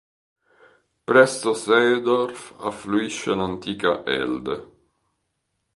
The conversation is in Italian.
Presso Seedorf affluisce l'Antica Elde.